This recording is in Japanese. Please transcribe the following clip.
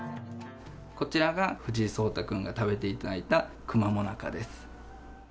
こちらが、藤井聡太君が食べていただいた、くま最中です。